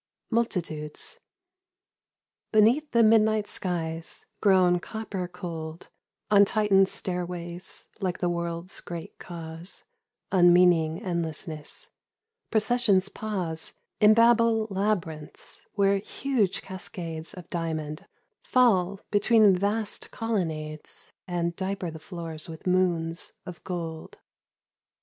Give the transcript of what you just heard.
Multitudes. Beneath the midnight skies, grown copper cold, On titan stairways like the world's great cause Unmeaning endlessness, — processions pause In Babel labyrinths, where huge cascades Of diamond fall between vast colonnades And diaper the floors with moons of gold.